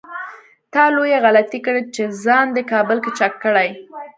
تا لويه غلطي کړې چې ځان دې کابل کې چک کړی.